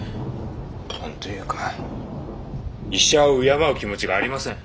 何というか医者を敬う気持ちがありません。